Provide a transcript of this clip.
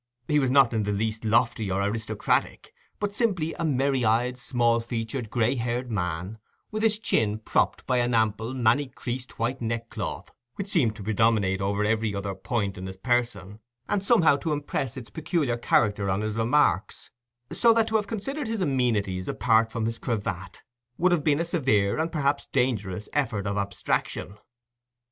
He was not in the least lofty or aristocratic, but simply a merry eyed, small featured, grey haired man, with his chin propped by an ample, many creased white neckcloth which seemed to predominate over every other point in his person, and somehow to impress its peculiar character on his remarks; so that to have considered his amenities apart from his cravat would have been a severe, and perhaps a dangerous, effort of abstraction.